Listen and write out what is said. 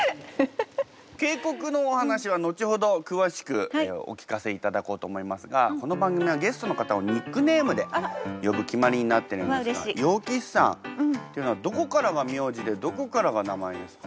傾国のお話は後ほど詳しくお聞かせいただこうと思いますがこの番組はゲストの方をニックネームで呼ぶ決まりになってるんですが楊貴妃さんっていうのはどこからが名字でどこからが名前ですか？